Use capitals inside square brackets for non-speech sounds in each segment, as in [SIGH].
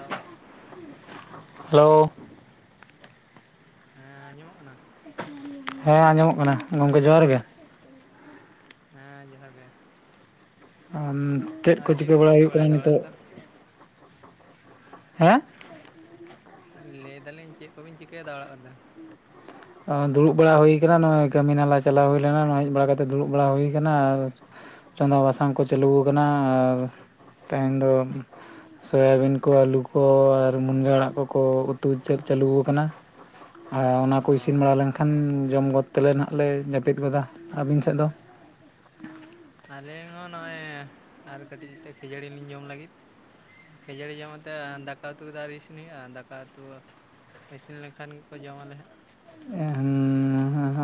Hello hello ᱦᱮᱸ ᱟᱸᱡᱚᱢᱚᱜ ᱠᱟᱱᱟ ᱦᱮᱸ ᱟᱸᱡᱚᱢᱚᱜ ᱠᱟᱱᱟ ᱜᱚᱢᱠᱮ ᱡᱚᱦᱟᱨ ᱜᱮ ᱦᱮᱸ ᱡᱚᱦᱟᱨ ᱜᱮ ᱟᱢᱻ ᱪᱮᱫ ᱠᱚ ᱟᱨ ᱪᱤᱠᱟᱹ ᱠᱚᱵᱤᱱ ᱵᱟᱲᱟ ᱦᱩᱭᱩᱜ ᱠᱟᱱᱟ ᱵᱟᱲᱟᱭᱮᱫᱟ ᱚᱲᱟᱜ ᱱᱤᱛᱚᱜ ᱨᱮᱫᱚ? ᱦᱮᱸ ᱞᱟᱹᱭ ᱫᱟᱞᱤᱧ ᱪᱮᱫ ᱠᱚᱵᱤᱱ ᱪᱤᱠᱟᱹᱭᱮᱫᱟ ᱚᱲᱟᱜ ᱨᱮᱫᱚ ᱫᱩᱲᱩᱵ ᱵᱟᱲᱟ ᱦᱩᱭ ᱠᱟᱱᱟ ᱱᱚᱜᱼᱚᱭ ᱠᱟᱹᱢᱤ ᱱᱟᱞᱟ ᱪᱟᱞᱟᱣ ᱦᱩᱭ ᱞᱮᱱᱟ ᱱᱚ ᱦᱮᱡ ᱵᱟᱲᱟ ᱠᱟᱛᱮ ᱫᱩᱲᱩᱵ ᱵᱟᱲᱟ ᱦᱩᱭ ᱠᱟᱱᱟ ᱟᱨ ᱪᱚᱸᱫᱟ ᱵᱟᱥᱟᱝ ᱠᱚ ᱪᱟᱹᱞᱩᱣᱟᱠᱟᱱᱟ ᱟᱨ ᱛᱮᱦᱮᱧ ᱫᱚ ᱥᱚᱣᱟᱵᱤᱱ ᱠᱚ ᱟᱹᱞᱩ ᱠᱚ ᱟᱨ ᱢᱩᱱᱜᱟᱹ ᱟᱲᱟᱜ ᱠᱚᱠᱚ ᱩᱛᱩ ᱪᱟᱞ ᱪᱟᱹᱞᱩᱣᱟᱠᱟᱱᱟ ᱟᱨ ᱚᱱᱟ ᱚ ᱠᱚ ᱤᱥᱤᱱ ᱵᱟᱲᱟ ᱞᱮᱱᱠᱷᱟᱱ ᱡᱚᱢ ᱜᱚᱫ ᱛᱮᱞᱮ ᱱᱟᱜ ᱞᱮ ᱡᱟᱹᱯᱤᱫ ᱜᱚᱫᱟ ᱟᱹᱵᱤᱱ ᱥᱮᱫ ᱫᱚ ᱟᱞᱤᱧ ᱦᱚᱸ ᱱᱚᱜᱼᱚᱭ ᱟᱨ ᱠᱟᱹᱴᱤᱡᱛ ᱠᱷᱟᱡᱟᱹᱲᱤ ᱞᱤᱧ ᱡᱚᱢ ᱞᱟᱹᱜᱤᱫ ᱠᱷᱡᱟᱹᱲᱤ ᱡᱚᱢ ᱠᱟᱛᱮ ᱫᱟᱠᱟ ᱩᱛᱩ ᱠᱚᱫᱚ ᱟᱨᱤ ᱤᱥᱤᱱ ᱦᱳᱭᱳᱜᱼᱟ ᱫᱟᱠᱟ ᱩᱛᱩ ᱤᱥᱤᱱ ᱞᱮᱱᱠᱷᱟᱱ ᱜᱮᱠᱚ ᱡᱚᱢᱟᱞᱮ ᱦᱟᱸᱜ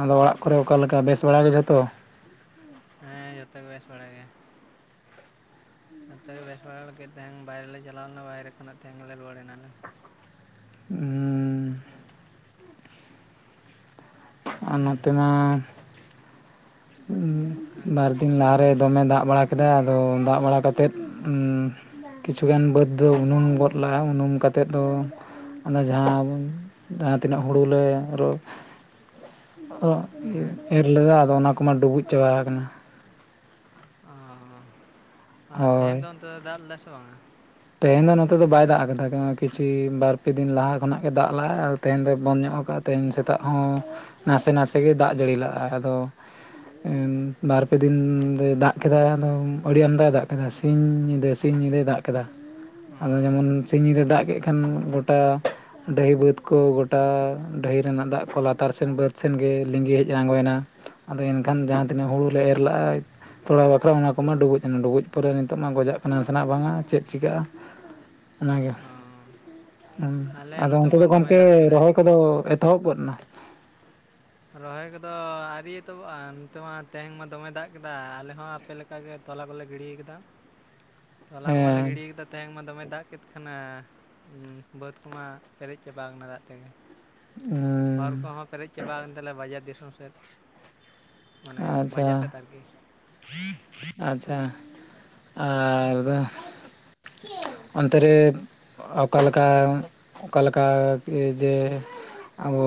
ᱟᱫᱚ ᱚᱲᱟᱜ ᱠᱚᱨᱮ ᱚᱠᱟᱞᱮᱠᱟ ᱵᱮᱥ ᱵᱟᱲᱟ ᱜᱮ ᱡᱷᱚᱛᱚ ᱦᱮᱸ ᱡᱷᱚᱛᱚ ᱜᱮ ᱵᱮᱥ ᱵᱟᱲᱟ ᱜᱮ ᱱᱚᱛᱚᱜ ᱜᱮ ᱵᱮᱥ ᱵᱟᱲᱟ ᱞᱮ ᱛᱮᱦᱮᱧ ᱵᱟᱭᱨᱮ ᱞᱮ ᱪᱟᱞᱟᱣ ᱞᱮᱱᱟ ᱵᱟᱭᱨᱮ ᱠᱷᱚᱱᱟᱜ ᱛᱮᱦᱮᱧ ᱜᱮᱞᱮ ᱨᱩᱟᱹᱲ ᱮᱱᱟᱞᱮ ᱩᱸ ᱟᱨ ᱱᱚᱛᱮᱢᱟ [INAUDIBLE] ᱩᱸ ᱦᱮᱸ ᱵᱟᱨᱫᱤᱱ ᱞᱟᱦᱟᱨᱮ ᱫᱚᱢᱮ ᱫᱟᱜ ᱵᱟᱲᱟ ᱠᱮᱫᱟ ᱟᱫᱚ ᱫᱟᱜ ᱵᱟᱲᱟᱛᱮᱫ ᱩᱸ ᱠᱤᱪᱷᱩᱩᱜᱟᱱ ᱵᱟᱹᱫᱽ ᱫᱚ ᱩᱱᱩᱢ ᱜᱚᱫ ᱞᱮᱟᱜᱼᱟ ᱩᱱᱩᱢ ᱠᱟᱛᱮᱫ ᱫᱚ ᱟᱫᱚ ᱡᱟᱦᱟᱸ ᱡᱟᱦᱟᱸᱛᱤᱱᱟᱹᱜ ᱦᱩᱲᱩᱞᱮ ᱨ ᱼ ᱚᱜ ᱮᱨ ᱦᱮᱸ ᱤᱨ ᱞᱟᱹᱭᱟ ᱟᱫᱚ ᱚᱱᱟ ᱠᱚᱢᱟ ᱰᱩᱵᱩᱡ ᱪᱟᱵᱟ ᱠᱟᱱᱟ ᱚ ᱟᱨ ᱛᱮᱦᱮᱧ ᱫᱚ ᱦᱳᱭ ᱚᱱᱛᱮ ᱫᱚᱭ ᱫᱟᱜ‌ ᱞᱮᱫᱟ ᱥᱮ ᱵᱟᱝᱟ ᱛᱮᱦᱮᱧ ᱫᱚ ᱱᱚᱛᱮ ᱫᱚ ᱵᱟᱭ ᱫᱟᱜ ᱠᱟᱫᱟ ᱠᱤᱪᱷᱩ ᱵᱟᱨᱯᱮ ᱫᱤᱱ ᱞᱟᱦᱟ ᱠᱷᱚᱱᱟᱜ ᱜᱮ ᱫᱟᱜ ᱞᱟᱜ-ᱟᱭ ᱟᱨ ᱛᱮᱦᱮᱧ ᱫᱚ ᱵᱚᱱ ᱧᱚᱜ ᱠᱟᱜᱼᱟ ᱛᱮᱦᱮᱧ ᱥᱮᱛᱟᱜ ᱦᱚᱸ ᱱᱟᱥᱮ ᱱᱟᱥᱮ ᱜᱮ ᱫᱟᱜ ᱡᱟᱹᱲᱤ ᱞᱟᱜᱼᱟᱭ ᱟᱫᱚ ᱵᱟᱨ ᱯᱮ ᱫᱤᱱ ᱫᱚᱭ ᱫᱟᱜ ᱠᱮᱫᱟᱭ ᱟᱫᱚ ᱟᱹᱰᱤ ᱟᱢᱫᱟᱭ ᱫᱟᱜ ᱠᱮᱫᱟ ᱥ ᱥᱤᱝ ᱧᱤᱫᱟᱹ ᱥᱤᱧ ᱧᱤᱫᱟᱹᱭ ᱫᱟᱜ ᱠᱮᱫᱟ ᱚ ᱟᱫᱚ ᱡᱮᱢᱚᱱ ᱥᱤᱧ ᱧᱤᱫᱟᱹ ᱫᱟᱜ ᱠᱮᱫ ᱠᱷᱟᱱ ᱜᱚᱴᱟ ᱰᱟᱹᱦᱤ ᱵᱟᱹᱫᱽ ᱠᱚ ᱜᱚᱴᱟ ᱰᱟᱹᱦᱤ ᱨᱮᱱᱟᱜ ᱫᱟᱜ ᱠᱚ ᱞᱟᱛᱟᱨ ᱥᱮᱱ ᱵᱟᱹᱫ ᱥᱮᱱᱜᱮ ᱞᱤᱸᱜᱤ ᱦᱮᱡ ᱟᱬᱜᱚᱭᱮᱱᱟ ᱟᱫᱚ ᱮᱱᱠᱷᱟᱱ ᱡᱟᱦᱟᱸ ᱛᱤᱱᱟᱹᱜ ᱦᱩᱲᱩᱞᱮ ᱮᱨ ᱞᱟᱜᱼᱟ ᱛᱷᱚᱲᱟ ᱵᱟᱠᱷᱨᱟ ᱚᱱᱟ ᱠᱚᱢᱟ ᱰᱩᱵᱩᱡ ᱮᱱᱟ ᱰᱩᱵᱩᱡ ᱯᱚᱨᱮ ᱱᱤᱛᱚᱜ ᱢᱟ ᱜᱚᱡᱚᱜ ᱠᱟᱱᱟ ᱱᱟᱥᱮ ᱱᱟᱜ ᱵᱟᱝᱟ ᱪᱮᱫ ᱪᱤᱠᱟᱹᱜᱼᱟ ᱚᱱᱟᱜᱮ ᱚ ᱦᱩᱸ ᱟᱞᱮ ᱟᱫᱚ ᱱᱚᱛᱮ ᱚᱱᱛᱮ ᱫᱚ ᱢᱟ ᱫᱚᱢᱮ ᱜᱚᱝᱠᱮ ᱫᱟᱜ ᱠᱮᱫᱟᱭ ᱨᱚᱦᱚᱭ ᱠᱚᱫᱚ ᱮᱛᱚᱦᱚᱵ ᱜᱚᱫ ᱱᱟ ᱨᱚᱦᱚᱭ ᱠᱚᱫᱚ ᱟᱹᱨᱤᱭ ᱮᱛᱚᱵᱚᱜᱼᱟ ᱱᱛᱮ ᱢᱟ ᱛᱮᱦᱧ ᱢᱟ ᱫᱚᱢᱮ ᱫᱟᱜ ᱠᱮᱫᱟ ᱟᱞᱮ ᱦᱚᱸ ᱟᱯᱮ ᱞᱮᱠ ᱼᱼ ᱚᱱᱠᱟ ᱜᱮ ᱛᱚᱞᱟ ᱠᱚᱞᱮ ᱜᱤᱰᱤ ᱠᱟᱫᱟ ᱛᱚᱞᱟ ᱠᱚᱢᱟᱞᱮ ᱦᱮᱸ ᱜᱤᱰᱤ ᱠᱟᱫᱟ ᱼᱼ ᱛᱮᱦᱮᱧ ᱢᱟ ᱫᱚᱢᱮ ᱫᱟᱜ ᱠᱮᱫ ᱠᱷᱟᱱᱮ ᱵᱟᱹᱫᱽ ᱠᱚᱢᱟ ᱯᱮᱨᱮᱡ ᱪᱟᱵᱟ ᱠᱟᱱᱟ ᱫᱟᱜ ᱛᱮᱜᱮ ᱦᱚᱨ ᱦᱩᱸ ᱠᱚᱦᱚᱸ ᱯᱮᱨᱮᱡ ᱪᱟᱵᱟ ᱠᱟᱱ ᱛᱟᱞᱮᱭᱟ ᱵᱟᱡᱟᱨ ᱫᱤᱥᱚᱢ ᱥᱮᱫ ᱢᱟᱱᱮ ᱟᱪᱪᱷᱟ ᱵᱟᱡᱟᱨ ᱥᱮᱫ ᱟᱨᱠᱤ ᱟᱪᱪᱷᱟ ᱟᱨ ᱚᱱᱛᱮ ᱨᱮ ᱚᱠᱟᱞᱮᱠᱟ ᱚᱠᱟᱞᱮᱠᱟ ᱡᱮ ᱟᱵᱚ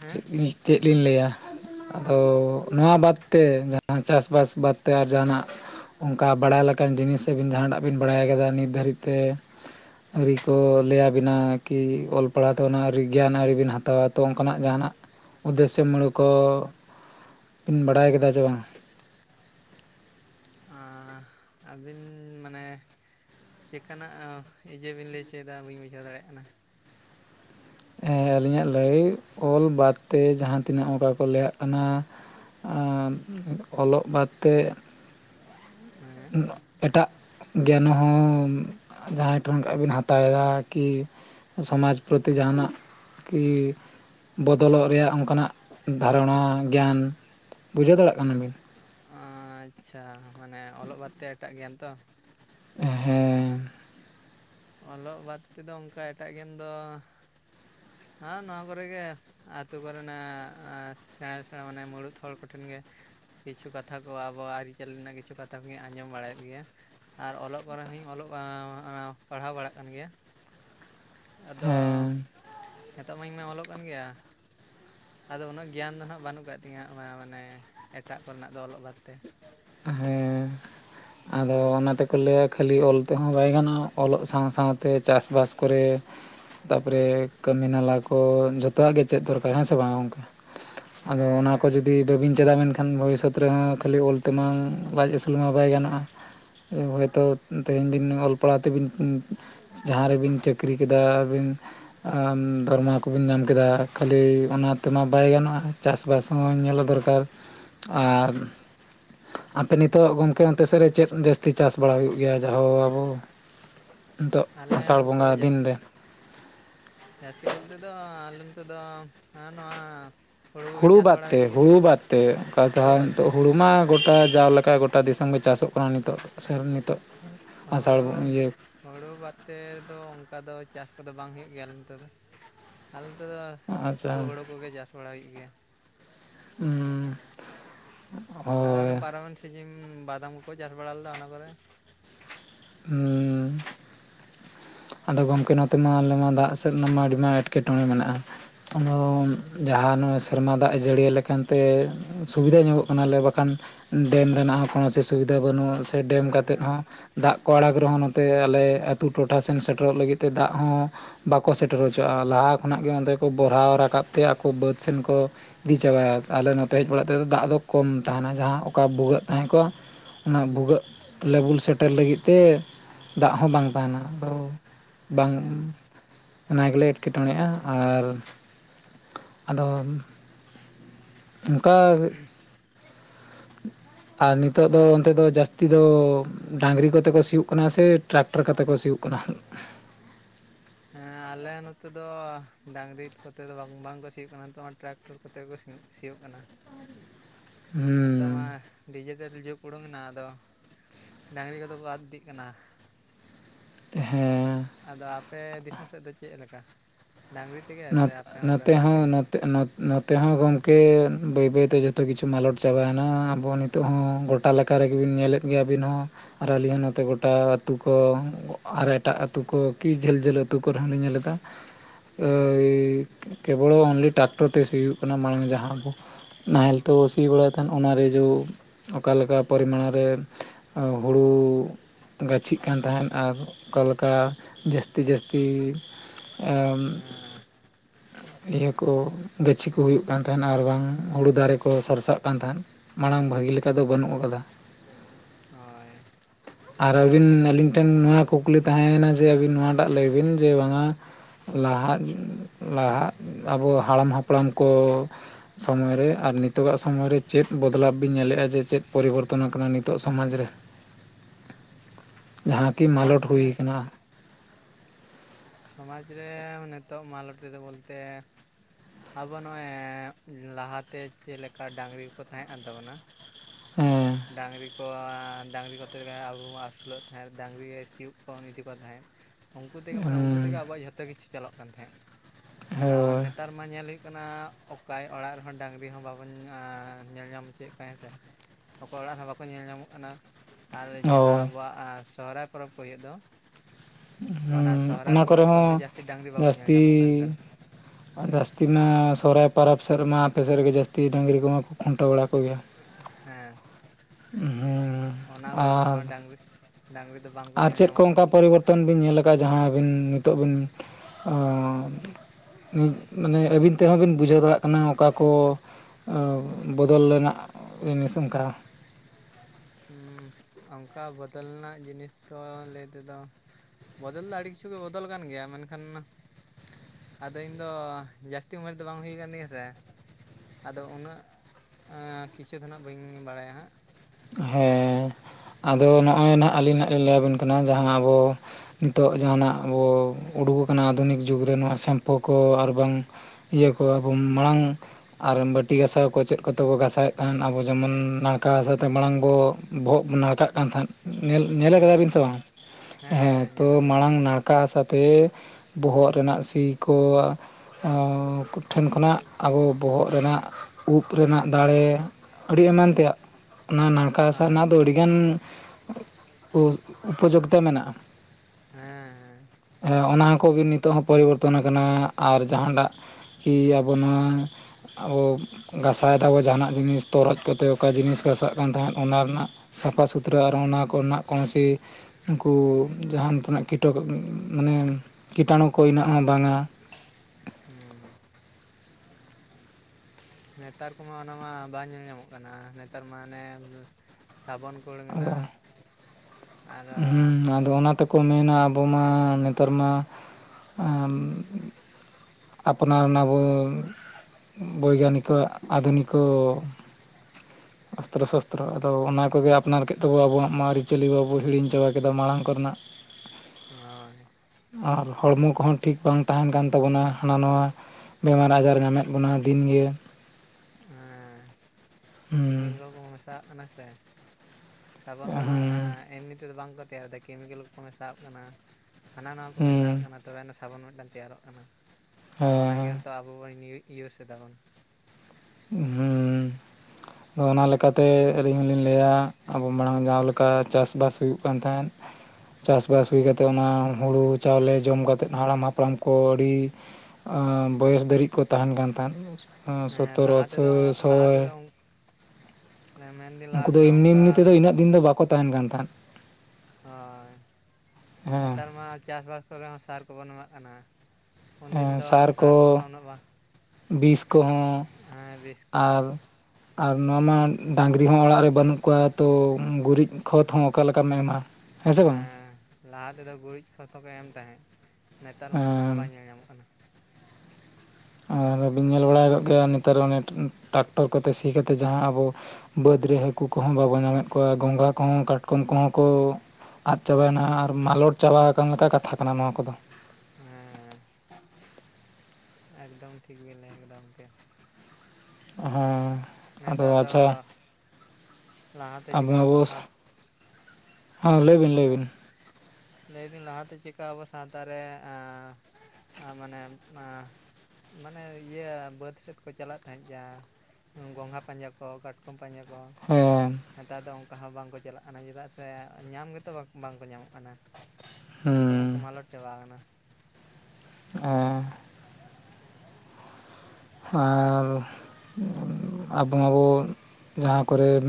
ᱦᱮᱸ ᱪᱮᱫ ᱡᱤ ᱪᱮᱫ ᱞᱤᱧ ᱞᱮᱭᱟ ᱟᱫᱚ ᱱᱚᱣᱟ ᱵᱟᱫᱛᱮ ᱡᱟᱦᱟᱸ ᱪᱟᱥᱵᱟᱥ ᱵᱟᱫᱛᱮ ᱟᱨ ᱡᱟᱸᱦᱟᱱᱟᱜ ᱚᱝᱠᱟ ᱵᱟᱲᱟᱭ ᱞᱮᱠᱟᱱ ᱡᱤᱱᱤᱥ ᱟᱹᱵᱤᱱ ᱡᱟᱸᱦᱟᱱᱟᱜ ᱵᱤᱱ ᱵᱟᱲᱟᱭ ᱠᱟᱫᱟ ᱱᱤᱛ ᱫᱷᱟᱹᱨᱤᱡ ᱛᱮ ᱟᱣᱨᱤᱠᱚ ᱞᱟᱹᱭᱟᱵᱤᱱᱟ ᱠᱤ ᱚᱞ ᱯᱟᱲᱦᱟᱣ ᱛᱮ ᱚᱱᱟ ᱟᱨᱤ ᱜᱮᱭᱟᱱ ᱟᱹᱣᱨᱤᱵᱤᱱ ᱦᱟᱛᱟᱣᱟ ᱛᱚ ᱟᱢᱟᱜ ᱡᱟᱦᱟᱱᱟᱜ ᱩᱫᱽᱫᱮᱥᱥᱚ ᱢᱩᱲᱩ ᱠᱚ ᱵᱤᱱ ᱵᱟᱰᱟᱭ ᱠᱮᱫᱟ ᱡᱮ ᱵᱟᱝᱼᱟ ᱟᱹᱵᱤᱱ ᱢᱟᱱᱮ ᱪᱮᱠᱟᱱᱟᱜ ᱤᱭᱟᱹ ᱵᱮᱱ ᱞᱟᱹᱭ ᱚᱪᱚᱭᱮᱫᱟ ᱵᱟᱹᱧ ᱵᱩᱡᱷᱟᱹᱣ ᱫᱟᱲᱮᱭᱟᱜ ᱠᱟᱱᱟ ᱦᱮᱸ ᱟᱹᱞᱤᱧᱟᱜ ᱞᱟᱹᱭ ᱚᱞ ᱵᱟᱫᱛᱮ ᱡᱟᱦᱟᱸ ᱛᱤᱱᱟᱹᱜ ᱚᱱᱠᱟ ᱠᱚ ᱞᱟᱹᱭᱟ ᱚᱱᱟ ᱚᱞᱚᱜ ᱵᱟᱫ ᱛᱮ ᱦᱮᱸ ᱮᱴᱟᱜ ᱜᱮᱭᱟᱱ ᱦᱚᱸ ᱡᱟᱦᱟᱸᱭ ᱴᱷᱮᱱ ᱟᱵᱤᱱ ᱦᱟᱛᱟᱣᱮᱫᱟ ᱠᱤ ᱥᱚᱢᱟᱡᱽ ᱯᱨᱚᱛᱤ ᱡᱟᱦᱟᱱᱟᱜ ᱠᱤ ᱵᱚᱫᱚᱞᱚᱜ ᱨᱮᱭᱟᱜ ᱚᱱᱠᱟᱱᱟᱜ ᱫᱷᱟᱨᱚᱱᱟ ᱜᱮᱭᱟᱱ ᱵᱩᱡᱷᱟᱹᱣ ᱫᱟᱲᱮᱭᱟᱜ ᱠᱟᱱᱟ ᱵᱤᱱ ᱟᱪᱪᱷᱟ ᱢᱟᱱᱮ ᱚᱞᱚᱜ ᱵᱟᱫᱛᱮ ᱮᱴᱟᱜ ᱜᱮᱭᱟᱢ ᱛᱚ ᱚ ᱦᱚᱸ [UNINTELLIGIBLE] ᱦᱮᱸ ᱚᱞᱚᱜ ᱵᱟᱫ ᱛᱮᱫᱚ ᱚᱱᱠᱟ ᱮᱴᱟᱜ ᱜᱮᱭᱟᱱ ᱫᱚ ᱦᱮᱸ ᱱᱚᱣᱟ ᱠᱚᱨᱮᱜ ᱜᱮ ᱟᱛᱳ ᱠᱚᱨᱮᱱᱟᱜ ᱥᱮᱬᱟ ᱥᱮᱬᱟ ᱢᱟᱱᱮ ᱢᱩᱬᱩᱫ ᱦᱚᱲ ᱠᱚᱴᱷᱮᱱ ᱜᱮ ᱠᱤᱪᱷᱩ ᱠᱟᱛᱷᱟ ᱠᱚ ᱟᱵᱚᱣᱟᱜ ᱟᱹᱨᱤᱪᱟᱹᱞᱤ ᱨᱮᱱᱟᱜ ᱠᱤᱪᱷᱩ ᱠᱟᱛᱷᱟ ᱠᱚᱧ ᱟᱸᱡᱚᱢ ᱵᱟᱲᱟᱭᱮᱫ ᱜᱮᱭᱟ ᱟᱨ ᱚᱞᱚᱜ ᱠᱚᱨᱮ ᱦᱚᱧ ᱚᱞᱚᱜ ᱯᱟᱲᱦᱟᱣ ᱵᱟᱲᱟᱜ ᱠᱟᱱ ᱜᱮᱭᱟ ᱟᱫᱚ ᱦᱮᱸ ᱱᱤᱛᱚᱜ ᱢᱟ ᱤᱧ ᱢᱟ ᱚᱞᱚᱜ ᱠᱟᱱ ᱜᱮᱭᱟ ᱟᱫᱚ ᱩᱱᱟᱹᱜ ᱜᱮᱭᱟᱱ ᱫᱚ ᱦᱟᱜ ᱵᱟᱹᱱᱩᱜ ᱟᱠᱟᱫ ᱛᱤᱧᱟᱹ ᱢᱟᱱᱮ ᱮᱴᱟᱜ ᱠᱚᱨᱮᱱᱟᱜ ᱫᱚ ᱚᱞᱚᱜ ᱵᱟᱫ ᱛᱮ ᱦᱮᱸ ᱟᱫᱚ ᱦᱳᱭ ᱚᱱᱟᱛᱮ ᱠᱚ ᱞᱟᱹᱭᱟ ᱠᱷᱟᱹᱞᱤ ᱚᱞ ᱛᱮᱦᱚᱸ ᱵᱟᱭ ᱜᱟᱱᱚᱜᱼᱟ ᱚᱞᱚᱜ ᱥᱟᱶ ᱥᱟᱶᱛᱮ ᱪᱟᱥᱵᱟᱥ ᱠᱚᱨᱮ ᱛᱟᱯᱚᱨᱮ ᱠᱟᱹᱢᱤ ᱱᱟᱞᱟ ᱠᱚ ᱡᱚᱛᱚᱣᱟᱜ ᱜᱮ ᱪᱮᱫ ᱫᱚᱨᱠᱟᱨ ᱦᱮᱸ ᱥᱮ ᱵᱟᱝ ᱜᱚᱝᱠᱮ ᱟᱫᱚ ᱦᱮᱸ ᱚᱱᱟ ᱟᱠᱚ ᱦᱮᱸ ᱡᱩᱫᱤ ᱵᱟᱹᱵᱤᱤᱱ ᱪᱮᱫᱟ ᱢᱮᱱᱠᱷᱟᱱ ᱵᱷᱚᱵᱤᱥᱥᱚᱛ ᱨᱮᱦᱚᱸ ᱠᱷᱟᱹᱞᱤ ᱚᱞ ᱛᱮᱢᱟ ᱞᱟᱡ ᱟᱹᱥᱩᱞ ᱢᱟ ᱵᱟᱭ ᱜᱟᱱᱚᱜᱼᱟ ᱦᱚᱭᱛᱳ ᱛᱮᱦᱮᱧ ᱚᱞ ᱯᱟᱲᱦᱟᱣ ᱛᱮᱵᱤᱱ ᱡᱟᱦᱟᱸ ᱨᱮᱵᱤᱱ ᱪᱟᱹᱠᱨᱤ ᱠᱮᱫᱟ ᱟᱹᱵᱤᱱ ᱫᱚᱨᱢᱟ ᱠᱚᱵᱮᱱ ᱧᱟᱢ ᱠᱮᱫᱟ ᱠᱷᱟᱹᱞᱤ ᱚᱱᱟ ᱛᱮᱢᱟ ᱵᱟᱭ ᱜᱟᱱᱚᱜᱼᱟ ᱪᱟᱥ ᱵᱟᱥ ᱦᱚᱸ ᱧᱮᱞᱚᱜ ᱫᱚᱨᱠᱟᱨ ᱟᱨ ᱟᱯᱮ ᱱᱤᱛᱚᱜ ᱜᱚᱝᱠᱮ ᱚᱱᱛᱮ ᱥᱮᱫ ᱨᱮ ᱪᱮᱫ ᱡᱟᱹᱥᱛᱤ ᱪᱟᱥ ᱵᱟᱲᱟ ᱦᱩᱭᱩᱜ ᱜᱮᱭᱟ ᱡᱟᱦᱳ ᱟᱵᱚ ᱱᱤᱛᱚᱜ ᱟᱞᱮ ᱟᱥᱟᱲ ᱵᱚᱸᱜᱟ ᱱᱚᱛᱮᱫᱚ ᱫᱤᱱ ᱨᱮ ᱡᱟᱛᱮ ᱵᱚᱞᱛᱮ ᱫᱚ ᱟᱞᱮ ᱱᱚᱛᱮᱫᱚ ᱱᱚᱣᱟ ᱦᱳᱲᱳ ᱠᱚᱜᱮ ᱦᱩᱲᱩ ᱪᱟᱥ ᱵᱟᱲᱟ ᱵᱟᱫᱛᱮ ᱦᱩᱭᱩᱜ ᱜᱮᱭᱟ ᱦᱩᱲᱩ ᱵᱟᱫᱛᱮ ᱠᱟ ᱦᱳᱲᱳ ᱡᱟᱦᱟᱸ ᱵᱟᱫ ᱱᱤᱛᱚᱜ ᱛᱮ ᱦᱩᱲᱩ ᱢᱟ ᱜᱚᱴᱟ ᱡᱟᱣᱞᱮᱠᱟ ᱚᱠᱟ ᱜᱚᱴᱟ ᱫᱤᱥᱚᱢ ᱜᱮ ᱪᱟᱥᱚᱜ ᱠᱟᱱᱟ ᱱᱤᱛᱚᱜ ᱥᱮ ᱱᱤᱛᱚᱜ ᱟᱥᱟᱲ ᱦᱚᱲᱳᱵᱚ ᱤᱭᱟᱹ [UNINTELLIGIBLE] ᱦᱳᱲᱳ ᱵᱟᱫ ᱛᱚ ᱚᱱᱠᱟ ᱫᱚ ᱪᱟᱥ ᱠᱚᱫᱚ ᱵᱟᱝ ᱦᱩᱭᱩᱜ ᱜᱮᱭᱟᱞᱮ ᱱᱚᱛᱮᱫ ᱫᱚ ᱟᱞᱮ ᱱᱚᱛᱮ ᱫᱚ ᱥᱩᱫᱷᱩ ᱟᱪᱪᱷᱟ ᱦᱩᱲᱩ ᱠᱚᱜᱮ ᱪᱟᱥ ᱵᱟᱲᱟᱭ ᱦᱩᱭᱩᱜ ᱜᱮᱭᱟ ᱩᱸ ᱟᱨ ᱚᱱᱮ ᱯᱟᱨᱚᱢᱮᱱ ᱥᱤᱡᱤᱱ ᱵᱟᱫᱟᱢ ᱠᱚᱠᱚ ᱪᱟᱥ ᱵᱟᱲᱟ ᱞᱮᱫᱟ ᱚᱱᱟ ᱠᱚᱨᱮ ᱟᱨ [UNINTELLIGIBLE] ᱟᱫᱚ ᱜᱚᱢᱠᱮ ᱱᱚᱛᱮ ᱢᱟ ᱟᱞᱮ ᱢᱟ ᱫᱟᱜ ᱥᱮᱫ ᱨᱮᱱᱟᱜᱢᱟ ᱟᱹᱰᱤᱢᱟ ᱮᱸᱴᱠᱮᱴᱚᱬᱮ ᱢᱮᱱᱟᱜᱼᱟ ᱟᱫᱚ ᱡᱟᱦᱟᱸ ᱱᱚᱜᱼᱚᱭ ᱥᱮᱨᱢᱟ ᱫᱟᱜ ᱡᱟᱹᱲᱤᱭᱟᱹ ᱞᱮᱠᱟᱱ ᱛᱮ ᱥᱩᱵᱤᱫᱟ ᱧᱚᱜᱚᱜ ᱠᱟᱱᱟᱞᱮ ᱵᱟᱠᱷᱟᱱ ᱰᱮᱢ ᱨᱮᱱᱟᱜ ᱦᱚᱸ ᱠᱳᱱᱳᱥᱤ ᱥᱩᱵᱤᱫᱟ ᱵᱟᱹᱱᱩᱜᱼᱟ ᱰᱮᱢ ᱠᱟᱛᱮᱫ ᱦᱚᱸ ᱫᱟᱜ ᱠᱚ ᱟᱲᱟᱜ ᱨᱮᱦᱚᱸ ᱱᱚᱛᱮ ᱟᱞᱮ ᱟᱹᱛᱩ ᱴᱚᱴᱷᱟ 'ᱼᱼ' ᱥᱮᱱ ᱥᱮᱴᱮᱨᱚᱜ ᱞᱟᱹᱜᱤᱫ ᱛᱮ ᱫᱟᱜ ᱦᱚᱸ ᱵᱟᱠᱚ ᱥᱮᱴᱮᱨ ᱦᱚᱪᱚᱜᱣᱟᱜᱼᱟ ᱞᱟᱦᱟ ᱠᱷᱚᱱᱟᱜ ᱜᱮ ᱚᱸᱰᱮ ᱠᱚ ᱵᱚᱲᱦᱟᱣ ᱨᱟᱠᱟᱵ ᱛᱮ ᱟᱠᱚ ᱵᱟᱹᱫᱽ ᱥᱮᱱ ᱠᱚ ᱤᱫᱤ ᱪᱟᱵᱟᱭᱟ ᱟᱞᱮ ᱱᱚᱛᱮ ᱦᱮᱡ ᱵᱟᱲᱟᱜ ᱛᱮᱫᱚ ᱫᱟᱜ ᱫᱚ ᱠᱚᱢ ᱛᱟᱦᱮᱱᱟ ᱡᱟᱦᱟᱸ ᱚᱠᱟ ᱵᱷᱩᱜᱟᱹᱜ ᱛᱟᱦᱮᱸ ᱠᱚᱜ ᱚᱱᱟ ᱵᱷᱩᱜᱟᱹᱜ ᱞᱮᱵᱮᱞ ᱥᱮᱴᱮᱨ ᱞᱟᱹᱜᱤᱫ ᱛᱮ ᱫᱟᱜ ᱦᱚᱸ ᱵᱟᱝ ᱛᱟᱦᱮᱱᱟ ᱟᱨ ᱵᱟᱝ ᱟᱪᱪᱷᱟ ᱚᱱᱟ ᱜᱮᱞᱮ ᱮᱴᱠᱮᱴᱚᱬᱮᱜᱼᱟ ᱟᱨ ᱟᱫᱚ ᱚᱱᱠᱟ [UNINTELLIGIBLE] ᱟᱨ ᱱᱤᱛᱚᱜ ᱫᱚ ᱟᱫᱚ ᱚᱱᱛᱮ ᱫᱚ ᱡᱟᱹᱥᱛᱤ ᱫᱚ ᱰᱟᱝᱨᱤ ᱠᱚᱛᱮ ᱠᱚ ᱥᱤᱭᱳᱜ ᱠᱟᱱᱟ ᱥᱮ ᱴᱨᱟᱠᱴᱟᱨ ᱠᱟᱛᱮ ᱠᱚ ᱥᱤᱭᱳᱜ ᱠᱟᱱᱟ ᱾ ᱦᱮᱸ ᱟᱞᱮ ᱱᱚᱛᱮ ᱫᱚ ᱰᱟᱝᱨᱤ ᱠᱚᱛᱮ ᱫᱚ ᱵᱟᱝ ᱠᱚ ᱥᱤᱭᱟᱹᱜ ᱠᱟᱱᱟ ᱱᱤᱛᱚᱜ ᱴᱨᱟᱠᱴᱚᱨ 'ᱼᱼ' ᱠᱚᱛᱮ ᱠᱚ ᱥᱤᱭᱳᱜ ᱠᱟᱱᱟ ᱾ ᱱᱮᱛᱚᱜ ᱢᱟ ᱦᱩᱸ ᱰᱤᱡᱤᱴᱮᱞ ᱡᱩᱜᱽ ᱩᱰᱩᱠᱮᱱᱟ ᱟᱫᱚ ᱰᱟᱹᱝᱨᱤ ᱠᱚᱫᱚ ᱠᱚ ᱟᱫ ᱤᱫᱤᱜ ᱠᱟᱱᱟ ᱾ ᱦᱮᱸ ᱟᱫᱚ ᱟᱯᱮ ᱫᱤᱥᱚᱢ ᱥᱮᱫ ᱫᱚ ᱪᱮᱫ ᱞᱮᱠᱟ ᱰᱟᱝᱨᱤ? ᱛᱮᱜᱮ ᱥᱮ ᱟᱯᱮ ᱱᱚᱛ-ᱱᱚᱛᱮ ᱴᱨᱟᱠᱴᱚᱨ ᱦᱚᱸ ᱛᱮᱜᱮ ᱱᱚᱛᱮ ᱱᱚᱛ ᱱᱚᱛᱮ ᱦᱚᱸ ᱜᱚᱢᱠᱮ ᱵᱟᱹᱭ ᱵᱟᱹᱭᱛᱮ ᱡᱚᱛᱚ ᱠᱤᱪᱷᱩ ᱢᱟᱞᱚᱴ ᱪᱟᱵᱟᱭᱮᱱᱟ ᱟᱵᱚ ᱱᱤᱛᱚᱜ ᱦᱚᱸ ᱜᱚᱴᱼᱼ ᱜᱴᱟ ᱞᱮᱠᱟ ᱨᱮᱜᱮᱵᱤᱱ ᱧᱮᱞᱮᱫ ᱜᱮᱭᱟ ᱟᱹᱵᱤᱱ ᱦᱚᱸ ᱟᱨ ᱟᱞᱤᱧ ᱦᱚᱸ ᱱᱚᱛᱮ ᱜᱚᱴᱟ ᱟᱹᱛᱩ ᱠᱚ ᱟᱨ ᱮᱴᱟᱜ ᱟᱹᱛᱩᱳ ᱠᱚ ᱠᱤ ᱡᱷᱟᱹᱞ ᱡᱷᱟᱹᱞ ᱟᱹᱛᱩ ᱠᱚᱨᱮ ᱦᱚᱸ ᱞᱤ ᱧᱮᱞ ᱮᱫᱟ ᱾ ᱦᱮᱸ [UNINTELLIGIBLE] ᱠᱮᱵᱚᱲᱚ ᱚᱱᱞᱤ ᱴᱨᱟᱠᱴᱚᱨ ᱛᱮ ᱥᱤᱭ ᱦᱩᱭᱩᱜ ᱠᱟᱱᱟ ᱢᱟᱲᱟᱝ ᱡᱟᱦᱟᱸ ᱟᱵᱚ ᱾ ᱱᱟᱦᱮᱞ ᱛᱮ ᱥᱤ ᱵᱟᱲᱟᱭᱮᱫ ᱛᱟᱦᱮᱱ ᱚᱱᱟ ᱨᱮ ᱡᱚ ᱚᱠᱟᱞᱮᱠᱟ ᱯᱚᱨᱤᱢᱟᱬᱟ ᱨᱮ ᱦᱩᱲᱩ ᱜᱟᱪᱷᱤᱜ ᱠᱟᱱ ᱛᱟᱦᱮᱱ ᱟᱨ ᱚᱝᱠᱟᱞᱠᱟ ᱡᱟᱹᱥᱛᱤ ᱡᱟᱹᱥᱛᱤ ᱮᱸᱻ ᱦᱮᱸ ᱤᱭᱟᱹᱠᱚ, ᱜᱟᱹᱪᱷᱤ ᱠᱚ ᱦᱩᱭᱩᱜ ᱠᱟᱱ ᱛᱟᱦᱮᱱ ᱟᱨ ᱵᱟᱝ ᱦᱩᱲᱩ ᱫᱟᱨᱮ ᱠᱚ ᱥᱟᱨᱥᱟᱜ ᱠᱟᱱ ᱛᱟᱦᱮᱱ ᱢᱟᱲᱟᱝ ᱵᱷᱟᱹᱜᱤ ᱞᱮᱠᱟ ᱫᱚ ᱵᱟᱹᱱᱩᱜ ᱟᱠᱟᱫᱟ ᱦᱳᱭ ᱟᱨ ᱟᱫᱚ ᱟᱹᱵᱤᱱ ᱜᱚᱢᱠᱮ ᱟᱹᱞᱤᱧ ᱴᱷᱮᱱ ᱼ ᱱᱚᱣᱟ ᱠᱩᱠᱞᱤ ᱛᱟᱦᱮᱸᱭᱮᱱᱟ ᱡᱮ ᱟᱹᱵᱤᱱ ᱱᱚᱣᱟᱴᱟᱜ ᱞᱟᱹᱭ ᱵᱤᱱ ᱡᱮ ᱵᱟᱝᱟ ᱞᱟᱦᱟᱜ ᱞᱟᱦᱟᱜ ᱟᱵᱚ ᱦᱟᱲᱟᱢ ᱦᱟᱯᱲᱟᱢ ᱠᱚ ᱼᱼ ᱥᱚᱢᱚᱭ ᱨᱮ ᱟᱨ ᱱᱤᱛᱚᱜᱟᱜ ᱥᱚᱢᱚᱭ ᱨᱮ ᱪᱮᱫ ᱵᱚᱫᱞᱟᱵ ᱵᱤᱱ ᱧᱮᱞᱮᱫᱼᱟ ᱡᱮ ᱪᱮᱫ ᱯᱚᱨᱤᱵᱚᱨᱛᱚᱱ ᱟᱠᱟᱱᱟ ᱱᱤᱛᱚᱜ ᱥᱚᱢᱟᱡᱽ ᱨᱮ? ᱡᱟᱦᱟᱸ ᱠᱤ ᱥᱚᱢᱟᱡᱽ ᱢᱟᱞᱚᱴ ᱨᱮ ᱦᱩᱭᱠᱟᱱᱟ? ᱥᱚᱢᱟᱡᱽ ᱨᱮ ᱱᱤᱛᱚᱜ ᱢᱟᱞᱚᱴ ᱛᱮᱫᱚ ᱵᱚᱞᱛᱮ ᱟᱵᱚ ᱱᱚᱜᱼᱚᱭ ᱞᱟᱦᱟᱛᱮ ᱪᱮᱫ ᱞᱮᱠᱟ ᱰᱟᱝᱨᱤ ᱠᱚᱠᱚ ᱛᱟᱦᱮᱸ ᱠᱟᱱ ᱛᱟᱵᱚᱱᱟ᱾ ᱦᱮᱸ ᱰᱟᱝᱨᱤ ᱠᱚ ᱰᱟᱝᱨᱤ ᱠᱚᱛᱮ ᱟᱵᱚ ᱵᱚᱱ ᱟᱹᱥᱩᱞᱚᱜ ᱛᱟᱦᱮᱸᱫ, ᱰᱟᱝᱨᱤ ᱥᱤᱭᱚᱜ ᱵᱚᱱ ᱤᱫᱤ ᱠᱚ ᱛᱟᱦᱮᱸᱫ ᱾ ᱩᱱᱠᱩ ᱛᱮᱜᱮ ᱢᱟᱱᱮ ᱩᱱᱠᱩ ᱛᱮᱜᱮ ᱦᱩᱸ ᱟᱵᱚᱣᱟᱜ ᱡᱷᱚᱛᱚ ᱠᱤᱪᱷᱩ ᱪᱟᱞᱟᱜ ᱠᱟᱱ ᱛᱟᱦᱮᱸᱜ ᱦᱳᱭ ᱟᱨ [UNINTELLIGIBLE] ᱱᱮᱛᱟᱨ ᱢᱟ ᱧᱮᱞ ᱦᱩᱭᱩᱜ ᱠᱟᱱᱟ ᱚᱠᱟᱭ ᱚᱲᱟᱜ ᱨᱮᱦᱚᱸ, ᱰᱟᱝᱨᱤ ᱦᱚᱸ ᱵᱟᱵᱚᱱ ᱧᱮᱞ ᱧᱟᱢ ᱚᱪᱚᱭᱮᱫ ᱠᱚ ᱦᱮᱸ ᱥᱮ ᱚᱠᱚᱭ ᱚᱲᱟᱜ ᱨᱮᱦᱚᱸ ᱵᱟᱠᱚ ᱧᱮᱞ ᱧᱟᱢᱚᱜ ᱠᱟᱱᱟ᱾ ᱟᱨ ᱡᱟᱦᱟᱸ ᱦᱳᱭ ᱟᱵᱚᱣᱟᱜ ᱥᱚᱦᱚᱨᱟᱭ ᱯᱚᱨᱚᱵᱽ ᱠᱚ ᱦᱩᱭᱩᱜ ᱫᱚ ᱚᱱᱟ ᱥᱚᱦᱚᱨᱟᱭ ᱯᱚᱨᱚᱵᱽ ᱠᱚᱨᱮ ᱦᱚᱸ ᱡᱟᱹᱥᱛᱤ ᱰᱟᱝᱨᱤ ᱵᱟᱵᱚᱱ ᱧᱮᱞ ᱡᱟᱹᱥᱛᱤ ᱧᱟᱢᱮᱫ ᱠᱚᱣᱟ ᱱᱮᱛᱟᱨ᱾ ᱡᱟᱹᱥᱛᱤ ᱢᱟ ᱥᱚᱨᱦᱟᱭ ᱯᱟᱨᱟᱽ ᱥᱮᱫ ᱨᱮᱢᱟ ᱟᱯᱮ ᱥᱮᱫ ᱨᱮᱜᱮ ᱡᱟᱹᱥᱛᱤ ᱰᱟᱹᱝᱨᱤ ᱠᱚᱢᱟ ᱠᱚ ᱠᱷᱩᱱᱴᱟᱹᱣ ᱵᱟᱲᱟ ᱠᱚᱜᱮᱭᱟ ᱾ ᱦᱮᱸ ᱦᱩᱸ ᱚᱱᱟ ᱠᱚᱨᱮ ᱟᱨ ᱦᱚᱸ ᱰᱟᱝᱨᱤ ᱰᱟᱝᱨᱤ ᱫᱚ ᱵᱟᱝᱠᱚ ᱟᱨ ᱧᱮᱞ ᱪᱮᱫ ᱠᱚ ᱧᱟᱢᱚᱜ ᱚᱱᱠᱟ ᱠᱟᱱᱟ ᱯᱚᱨᱤᱵᱚᱨᱛᱚᱱ ᱛᱚᱱ ᱵᱤᱱ ᱧᱮᱞ ᱞᱮᱠᱟ ᱡᱟᱦᱟᱸ ᱟᱹᱵᱤᱱ ᱱᱤᱛᱚᱜ ᱵᱤᱱ ᱢᱟᱱᱮ ᱟᱹᱵᱤᱱ ᱛᱮᱦᱚᱸ ᱵᱤᱱ ᱵᱩᱡᱷᱟᱹᱣ ᱫᱟᱲᱮᱭᱟᱜ ᱠᱟᱱᱟ ᱚᱠᱟ ᱠᱚ ᱵᱚᱫᱚᱞ ᱨᱮᱱᱟᱜ ᱱᱤᱥᱟᱱ ᱠᱟᱱᱟ ᱾ ᱚᱱᱠᱟ ᱵᱚᱫᱚᱞ ᱞᱮᱱᱟᱜ ᱡᱤᱱᱤᱥ ᱫᱚ ᱞᱟᱹᱭ ᱛᱮᱫᱚ ᱼᱼ ᱵᱚᱫᱚᱞ ᱫᱚ ᱟᱹᱰᱤ ᱠᱤᱪᱷᱩ ᱜᱮ ᱵᱚᱫᱚᱞ ᱠᱟᱱ ᱜᱮᱭᱟ ᱢᱮᱱᱠᱷᱟᱱ ᱟᱫᱚ ᱤᱧ ᱫᱚ ᱡᱟᱹᱥᱛᱤ ᱩᱢᱮᱨ ᱫᱚ ᱵᱟᱝ ᱦᱩᱭ ᱠᱟᱱ ᱛᱤᱧᱟᱹ ᱥᱮ ᱟᱫᱚ ᱩᱱᱟᱹᱜ ᱠᱤᱪᱷᱩ ᱫᱚ ᱱᱟᱜ ᱵᱟᱹᱧ ᱵᱟᱲᱟᱭᱟ ᱦᱟᱸᱜ ᱦᱮᱸ ᱟᱫᱚ ᱱᱚᱜᱼᱚᱭ ᱱᱟᱜ ᱟᱹᱞᱤᱧ ᱦᱟᱜ ᱞᱤᱧ ᱞᱟᱹᱭᱟᱵᱤᱱ ᱠᱟᱱᱟ ᱡᱟᱦᱟᱸ ᱟᱵᱚ ᱼᱼ ᱱᱤᱛᱚᱜ ᱫᱚ ᱡᱟᱦᱟᱱᱟᱜ ᱵᱚ ᱩᱰᱩᱠ ᱟᱠᱟᱱᱟ ᱟᱫᱷᱩᱱᱤᱠ ᱡᱩᱜᱽ ᱨᱮ᱾ ᱱᱚᱣᱟ ᱥᱮᱢᱯᱩ ᱠᱚ ᱫᱚ ᱟᱨ ᱵᱟᱝᱜᱮ᱾ ᱤᱭᱟᱹ ᱠᱚ ᱮᱵᱚᱢ ᱢᱟᱲᱟᱝ ᱟᱨ ᱮᱱ ᱵᱟᱹᱴᱤ ᱜᱷᱟᱥᱟᱣ ᱠᱚ ᱪᱮᱫ ᱠᱚᱛᱮ ᱠᱚ ᱜᱟᱥᱟᱣᱮᱫ ᱛᱟᱦᱮᱸᱱ ᱟᱵᱚ ᱡᱮᱢᱚᱱ ᱱᱟᱲᱠᱟ ᱦᱟᱥᱟ ᱛᱮ ᱢᱟᱲᱟᱝ ᱜᱚ ᱵᱚᱦᱚᱜ ᱵᱚ ᱱᱟᱲᱠᱟᱜ ᱠᱟᱱ ᱛᱟᱦᱮᱸᱫ? ᱧᱮᱞ ᱧᱮᱞ ᱦᱮᱸ ᱟᱠᱟᱫᱟᱵᱤᱱ ᱥᱮ ᱵᱟᱝ? ᱦᱮᱸ ᱛᱚ ᱢᱟᱲᱟᱝ ᱛᱟᱨᱥᱟᱛᱮ ᱵᱚᱦᱚᱜ ᱨᱮᱱᱟᱜ ᱥᱤ ᱠᱚ [UNINTELLIGIBLE] ᱴᱷᱮᱱ ᱠᱷᱚᱱᱟᱜ ᱟᱵᱚ ᱵᱚᱦᱚᱜ ᱨᱮᱱᱟᱜ ᱩᱵ ᱨᱮᱱᱟᱜ ᱫᱟᱲᱮ ᱟᱹᱰᱤ ᱮᱢᱟᱱ ᱛᱮᱭᱟᱜ ᱚᱱᱟ ᱱᱟᱲᱠᱟ ᱦᱟᱥᱟ ᱦᱳᱭ ᱨᱮᱱᱟᱜ ᱫᱚ ᱟᱹᱰᱤᱜᱟᱱ [UNINTELLIGIBLE] ᱩᱯᱚᱡᱩᱠᱛᱚ ᱢᱮᱱᱟᱜᱼᱟ ᱾ ᱦᱮᱸ ᱦᱮᱸ ᱦᱮᱸ ᱚᱱᱟ ᱠᱚᱜᱮ ᱱᱤᱛᱚᱜ ᱦᱚᱸ ᱯᱚᱨᱤᱵᱚᱨᱛᱚᱱ ᱟᱠᱟᱱᱟ ᱟᱨ ᱡᱟᱦᱟᱸᱴᱟᱜ ᱠᱤ ᱟᱵᱚ ᱱᱚᱣᱟ ᱟᱵᱚ ᱜᱟᱥᱟᱭ ᱫᱟᱵᱚ ᱡᱟᱦᱟᱱᱟᱜ ᱡᱤᱱᱤᱥ ᱛᱚᱨᱚᱡ ᱠᱚᱛᱮ ᱚᱠᱟ ᱡᱤᱱᱤᱥ᱾ ᱪᱟᱥᱟᱜ ᱠᱟᱱ ᱛᱟᱦᱮᱸᱫ ᱚᱱᱟ ᱨᱮᱱᱟᱜ ᱥᱟᱯᱷᱟ ᱥᱩᱛᱨᱟᱹ ᱟᱨ ᱚᱱᱟ ᱠᱚᱨᱮᱱᱟᱜ ᱠᱳᱱᱥᱤ᱾ ᱩᱱᱠᱩ ᱡᱟᱦᱟᱸ ᱛᱤᱱᱟᱜ ᱠᱤᱴᱚᱠ ᱢᱟᱱᱮ ᱠᱤᱴᱟᱱᱩ ᱠᱚ ᱤᱱᱟᱹᱜ ᱦᱚᱸ ᱵᱟᱝᱟ ᱦᱩᱸ ᱱᱮᱛᱟᱨ ᱠᱚᱢᱟ ᱚᱱᱟᱢᱟ ᱵᱟᱝ ᱧᱮᱞ ᱧᱟᱢᱚᱜ ᱠᱟᱱᱟ ᱱᱮᱛᱟᱨ ᱢᱟ ᱟᱱᱮ ᱥᱟᱵᱚᱱ᱾ ᱯᱩᱬ ᱟᱫᱚ ᱢᱮᱱᱟᱜ-ᱟ ᱟᱨᱚ [UNINTELLIGIBLE] ᱦᱮᱸ ᱟᱫᱚ ᱚᱱᱟᱛᱮ ᱠᱚ ᱢᱮᱱᱟ ᱟᱵᱚ ᱢᱟ ᱱᱮᱛᱟᱨ ᱢᱟ ᱮᱸ᱾ ᱟᱯᱱᱟᱨ ᱚᱱᱟ ᱵᱚ ᱵᱳᱭᱜᱟᱱᱤᱠ ᱠᱚ ᱟᱫᱷᱩᱱᱤᱠ ᱠᱚ ᱚᱥᱛᱨᱚ ᱥᱚᱥᱛᱨᱚ ᱟᱫᱚ ᱚᱱᱟ ᱠᱚᱜᱮ ᱟᱯᱱᱟᱨ ᱠᱮᱫ ᱛᱮᱟᱵᱚ ᱟᱵᱚᱱᱟᱜ ᱢᱟ ᱟᱹᱨᱤᱪᱟᱹᱞᱤ ᱵᱟᱵᱚ ᱦᱤᱲᱤᱧ ᱪᱟᱵᱟ ᱠᱮᱫᱟ ᱢᱟᱲᱟᱝ ᱠᱚᱨᱮᱱᱟᱜ᱾ ᱦᱮᱸ [INAUDIBLE] ᱟᱨ ᱦᱚᱲᱢᱚ ᱠᱚᱦᱚ ᱴᱷᱤᱠ ᱵᱟᱜ ᱛᱟᱦᱮᱱ ᱠᱟᱱ ᱛᱟᱵᱚᱱ ᱟᱨ ᱦᱟᱱᱟ ᱱᱟᱣᱟ᱾ ᱵᱮᱢᱟᱨ ᱟᱡᱟᱨ ᱧᱟᱢᱮᱫ ᱵᱚᱱᱟ ᱫᱤᱱᱜᱮ ᱦᱮᱸ ᱦᱩᱸ ᱠᱤᱢᱤᱞ ᱠᱚᱠᱚ ᱢᱮᱥᱟᱣᱟᱜ ᱠᱟᱱᱟ ᱥᱮ᱾ ᱥᱟᱵᱚᱱ ᱫᱚ ᱦᱩᱸ ᱱᱟᱜ ᱮᱢᱱᱤ ᱛᱮᱫᱚ ᱵᱟᱝᱠᱚ ᱛᱮᱭᱟᱨ ᱮᱫᱟ ᱠᱮᱢᱤᱠᱮᱞ ᱠᱚᱠᱚ ᱢᱮᱥᱟᱣᱟᱜ ᱠᱟᱱᱟ ᱦᱟᱱᱟ ᱱᱟᱣᱟ ᱠᱚ ᱦᱩᱸ ᱢᱮᱥᱟᱣᱟᱜ ᱠᱟᱱᱟ ᱛᱚᱵᱮ ᱚᱱᱟ ᱥᱟᱵᱚᱱ ᱢᱤᱫᱴᱮᱱ ᱛᱮᱭᱟᱨᱚᱜ ᱠᱟᱱᱟ ᱟᱨ ᱚᱱᱟ ᱦᱮᱸ ᱜᱮ ᱱᱤᱛᱳᱜ᱾ ᱟᱵᱚ ᱵᱚᱱ ᱤᱭᱟᱹ ᱤᱭᱟᱹ ᱥᱮᱫᱟ ᱵᱚᱱ᱾ ᱦᱩᱸ ᱟᱫᱚ ᱚᱱᱟ ᱞᱮᱠᱟᱛᱮ ᱟᱹᱞᱤᱧ ᱦᱚᱞᱤᱧ ᱞᱟᱹᱭᱟ ᱟᱵᱚ ᱢᱟᱲᱟᱝ ᱡᱟᱦᱟᱸ ᱞᱮᱠᱟ ᱪᱟᱥᱵᱥ ᱦᱩᱭᱩᱜ ᱠᱟᱱ ᱛᱟᱦᱮᱸᱫ ᱪᱟᱥᱵᱟᱥ ᱦᱩᱭ ᱠᱟᱛᱮ ᱚᱱᱟ ᱦᱮᱸ ᱦᱩᱲᱩ ᱪᱟᱣᱞᱮ ᱡᱚᱢ ᱠᱟᱛᱮᱫ ᱦᱟᱲᱟᱢ ᱦᱟᱯᱲᱟᱢ ᱠᱚ ᱟᱹᱰᱤ ᱮᱸ ᱵᱚᱭᱮᱥ ᱫᱷᱟᱹᱨᱤᱡ ᱠᱚ ᱛᱟᱦᱮᱱ ᱠᱟᱱ ᱛᱟᱦᱮᱸᱫ ᱥᱳᱚᱛᱛᱨ ᱞᱟᱦᱟ ᱛᱮᱫᱚ ᱥᱮᱹᱭ ᱥᱚᱭ ᱦᱮᱸ ᱢᱮᱱ ᱫᱤᱧ ᱩᱱᱠᱩ ᱫᱚ ᱮᱢᱱᱤ ᱮᱢᱱᱤ ᱛᱚ ᱤᱱᱟᱹᱜ ᱫᱤᱱ ᱫᱚ ᱵᱟᱠᱚ ᱛᱟᱦᱮᱱ ᱠᱟᱱ ᱛᱟᱦᱮᱸᱫ᱾ ᱦᱳᱭ ᱦᱮᱸ ᱱᱮᱛᱟᱨ ᱢᱟ ᱪᱟᱥᱼᱵᱟᱥ ᱠᱚᱨᱮ ᱦᱚᱸ ᱥᱟᱨ ᱠᱚᱵᱚᱱ ᱮᱢᱟᱜ ᱠᱟᱱᱟ ᱩᱱᱫᱤᱱ ᱦᱮᱸ ᱫᱚ ᱥᱟᱨ ᱠᱚ ᱠᱚᱦᱚᱸ ᱩᱱᱟᱹᱜ ᱵᱟᱝ ᱵᱤᱥ ᱠᱚᱦᱚᱸ ᱦᱮᱸ ᱵᱤᱥ ᱠᱚ᱾ ᱟᱨ ᱟᱨ ᱱᱚᱣᱟ ᱢᱟ ᱰᱟᱝᱨᱤ ᱦᱚᱸ ᱚᱲᱟᱜ ᱨᱮ ᱵᱟᱹᱱᱩᱜ ᱠᱚᱣᱟ ᱛᱚ ᱜᱩᱨᱤᱡ ᱠᱷᱚᱛ ᱦᱚᱸ ᱚᱠᱟ ᱞᱮᱠᱟᱢ ᱮᱢᱟ ᱦᱮᱸ ᱥᱮ ᱵᱟᱝ ᱞᱟᱦᱟ ᱛᱮᱫᱚ ᱜᱩᱨᱤᱡ ᱠᱷᱚᱛᱷ ᱦᱚᱸᱠᱚ ᱮᱢ ᱛᱟᱦᱮᱸᱫ ᱱᱮᱛᱟᱨ ᱢᱟ ᱚᱱᱟ ᱦᱚᱸ ᱵᱟᱝ ᱧᱮᱞ ᱧᱟᱢᱚᱜ ᱠᱟᱱᱟ ᱟᱨ ᱵᱟᱵᱤᱱ ᱧᱮᱞ ᱵᱟᱲᱟᱭ ᱟᱠᱟᱫ ᱠᱚᱣᱟ ᱱᱮᱛᱟᱨ ᱚᱱᱮ ᱴᱟᱠᱴᱚᱨ ᱠᱚᱛᱮ ᱥᱤ ᱠᱟᱛᱮᱫ ᱡᱟᱦᱟᱸ ᱟᱵᱚ᱾ ᱵᱟᱹᱫᱽ ᱨᱮ ᱦᱟᱹᱠᱩ ᱠᱚᱦᱚᱸ ᱵᱟᱵᱚᱱ ᱧᱟᱢᱮᱫ ᱠᱚᱣᱟ ᱜᱚᱸᱜᱷᱟ ᱠᱚᱦᱚᱸ ᱠᱟᱴᱠᱚᱢ ᱠᱚᱦᱚᱸ ᱠᱚ ᱟᱫ ᱪᱟᱵᱟᱭᱮᱱᱟ ᱟᱨ ᱢᱟᱞᱚᱴ ᱪᱟᱵᱟ ᱟᱠᱟᱱ ᱞᱮᱠᱟ ᱠᱟᱛᱷᱟ ᱠᱟᱱᱟ ᱱᱚᱣᱟ ᱠᱚᱫᱚ᱾ ᱦᱮᱸ ᱮᱠᱫᱚᱢ ᱴᱷᱤᱠ ᱵᱮᱱ ᱞᱟᱹᱭ ᱠᱮᱫᱟ ᱜᱚᱢᱠᱮ ᱦᱮᱸ ᱟᱫᱚ ᱱᱮᱛᱟᱨ ᱫᱚ ᱟᱪᱪᱷᱟ ᱞᱟᱦᱟᱛᱮ ᱪᱮᱠᱟ ᱟᱵᱚ ᱥᱟᱶ᱾ ᱦᱮᱸ ᱞᱟᱹᱭ ᱵᱤᱱ ᱞᱟᱹᱭ ᱦᱮᱸ ᱵᱤᱱ ᱞᱟᱹᱭᱫᱟᱹᱧ ᱞᱟᱦᱟᱛᱮ ᱪᱮᱫᱠᱟ ᱟᱵᱚ ᱥᱟᱶᱛᱟ ᱨᱮ ᱮᱸ ᱢᱟᱱᱮ ᱮᱸ ᱢᱟᱱᱮ ᱤᱭᱟᱹ ᱵᱟᱹᱫᱽ ᱥᱮᱫ ᱠᱚ ᱪᱟᱞᱟᱜ ᱛᱟᱦᱮᱸᱫ ᱡᱟᱸ ᱜᱚᱸᱜᱷᱟ ᱯᱟᱸᱡᱟ ᱠᱚ ᱠᱟᱴᱠᱚᱢ ᱠᱳᱢᱯᱟᱱᱤᱭᱟᱹ ᱠᱚ ᱦᱮᱸ ᱱᱮᱛᱟᱨ ᱫᱚ ᱚᱝᱠᱟ ᱦᱚᱸ ᱵᱟᱝᱠᱚ ᱪᱟᱞᱟᱜ ᱠᱟᱱᱟ ᱪᱮᱫᱟᱜ ᱥᱮ ᱧᱟᱢ ᱡᱚᱛᱚ ᱵᱟᱝᱠᱚ ᱧᱟᱢᱚᱜ ᱠᱟᱱᱟ ᱱᱚᱛᱮ ᱢᱟᱠᱚ ᱦᱩᱸ ᱢᱟᱞᱚᱴ ᱪᱟᱵᱟᱟᱣ ᱠᱟᱱᱟ ᱚ ᱟᱨ ᱟᱵᱚ ᱢᱟᱵᱚ ᱡᱟᱦᱟᱸ ᱠᱚᱨᱮᱢ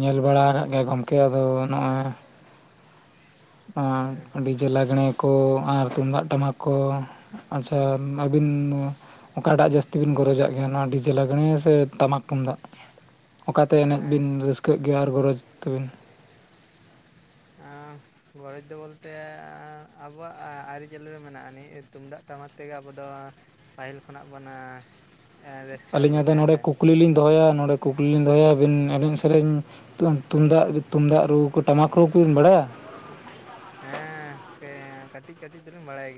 ᱧᱮᱞ ᱵᱟᱲᱟ ᱟᱠᱟᱫ ᱜᱮᱭᱟ ᱜᱚᱢᱠᱮ ᱟᱫᱚ ᱱᱚᱜᱼᱚᱭ ᱦᱮᱸ ᱟᱨ ᱰᱤᱡᱮ ᱞᱟᱜᱽᱬᱮ ᱠᱚ ᱟᱨ ᱛᱩᱢᱫᱟᱜ ᱴᱟᱢᱟᱠ ᱠᱚ ᱟᱪᱪᱷᱟ ᱟᱹᱵᱤᱱ ᱱᱚᱣᱟ ᱚᱠᱟᱴᱟᱜ ᱡᱟᱹᱥᱛᱤ ᱵᱤᱱ ᱜᱚᱨᱚᱡᱟᱜ ᱜᱮᱭᱟ ᱱᱚᱣᱟ ᱰᱤᱡᱮ ᱞᱟᱜᱽᱲᱮ ᱥᱮ ᱴᱟᱢᱟᱠ ᱛᱩᱢᱫᱟᱜ᱾ ᱚᱠᱟᱛᱮ ᱮᱱᱮᱡ ᱟᱨ ᱵᱤᱱ ᱨᱟᱹᱥᱠᱟᱹᱜ ᱜᱮᱭᱟ ᱟᱨ ᱜᱚᱨᱚᱡᱽ ᱛᱟᱵᱤᱱ? ᱟᱸᱻ ᱜᱚᱨᱚᱡᱽ ᱫᱚ ᱵᱚᱞᱛᱮ ᱟᱵᱚᱣᱟᱜ ᱟᱹᱨᱤᱪᱟᱹᱞᱤ ᱨᱮ ᱢᱮᱱᱟᱜᱼᱟ ᱱᱤᱦᱼᱮ ᱛᱩᱢᱫᱟᱜ ᱴᱟᱢᱟᱠ ᱛᱮᱜᱮ ᱟᱵᱚ ᱫᱚ ᱯᱟᱹᱦᱤᱞ ᱠᱷᱚᱱᱟᱜ ᱵᱚᱱᱟ ᱟᱹᱞᱤᱧᱟᱜ ᱫᱚ ᱱᱚᱰᱮ ᱠᱩᱠᱞᱤ ᱞᱤᱧ ᱫᱚᱦᱚᱭᱟ᱾ ᱱᱚᱰᱮ ᱠᱩᱠᱞᱤ ᱞᱤᱧ ᱫᱚᱦᱚᱭᱟ᱾ ᱟᱹᱵᱤᱱ ᱟᱹᱞᱤᱧ ᱥᱮᱨᱮᱧ ᱛᱩᱢ, ᱛᱩᱢᱫᱟᱜ ᱨᱩ, ᱛᱩᱢᱫᱟᱜ ᱨᱩ ᱴᱟᱢᱟᱠ ᱨᱩ ᱠᱚᱵᱤᱱ ᱵᱟᱲᱟᱭᱟ? ᱦᱮᱸ ᱠᱟᱹᱴᱤᱡ ᱠᱟᱹᱴᱤᱡ ᱫᱚᱞᱤᱧ ᱵᱟᱲᱟᱭ ᱜᱮᱭᱟ᱾